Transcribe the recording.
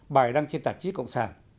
bài đăng trên tạp chí cộng sản